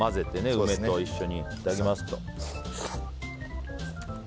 梅と一緒にいただきます。